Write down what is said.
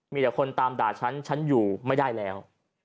มีแต่คนตามด่าฉันฉันอยู่ไม่ได้แล้ว